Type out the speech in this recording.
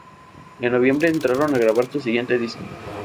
En noviembre entraron a grabar su siguiente disco.